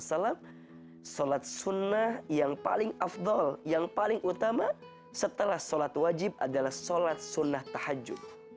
sholat sunnah yang paling afdol yang paling utama setelah sholat wajib adalah sholat sunnah tahajud